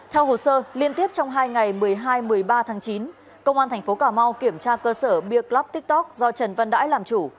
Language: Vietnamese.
theo hồ sơ liên tiếp trong hai ngày một mươi hai một mươi ba tháng chín công an thành phố cà mau kiểm tra cơ sở beer clup tiktok do trần văn đãi làm chủ